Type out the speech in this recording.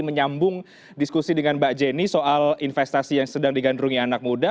menyambung diskusi dengan mbak jenny soal investasi yang sedang digandrungi anak muda